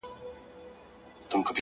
خپل ژوند د ګټورو اغېزو سرچینه وګرځوئ!